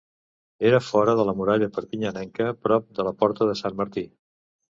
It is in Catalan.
Era fora de la muralla perpinyanenca, prop de la Porta de Sant Martí.